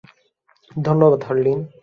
ধন্যবাদ, হারলিন।